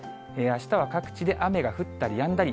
あしたは各地で雨が降ったりやんだり。